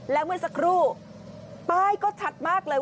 แล้วเมื่อสักครู่ป้ายก็ชัดมากเลย